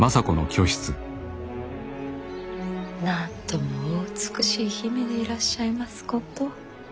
なんともお美しい姫でいらっしゃいますこと。